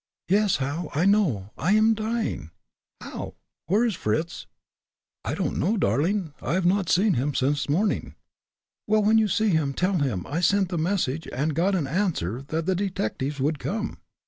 "Yes, Hal, I know. I am dying, Hal. Where is Fritz?" "I don't know, darling. I have not seen him since morning." "Well, when you see him, tell him I sent the message, and got an answer that the detectives would come."